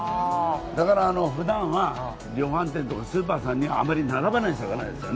だから、ふだんは量販店とかスーパーさんにあまり並ばない魚ですね。